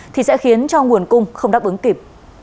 thì sẽ khiến cho nguồn cung không đáp ứng kịp